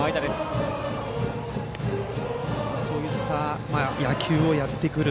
そういった野球をやってくる。